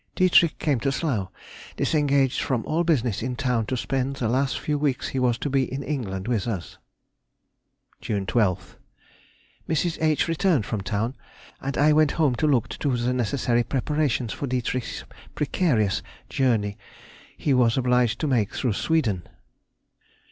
_—Dietrich came to Slough, disengaged from all business in town to spend the last few weeks he was to be in England with us. June 12th.—Mrs. H. returned from town, and I went home to look to the necessary preparations for Dietrich's precarious journey he was obliged to make through Sweden.